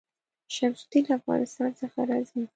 شمس الدین له افغانستان څخه راځي.